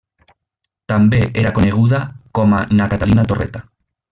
També era coneguda com a Na Catalina Torreta.